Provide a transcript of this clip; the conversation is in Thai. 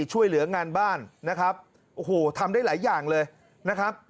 ช่วยเหลืองานบ้านนะครับโอ้โหทำได้หลายอย่างเลยนะครับ